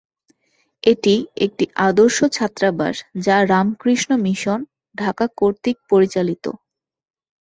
এটি একটি আদর্শ ছাত্রাবাস যা রামকৃষ্ণ মিশন, ঢাকা কর্তৃক পরিচালিত।